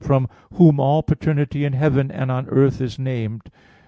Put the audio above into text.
3:15): "From whom all paternity in heaven and on earth is named."